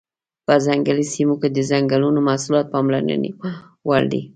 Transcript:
په ځنګلي سیمو کې د ځنګلونو محصولات پاملرنې وړ دي.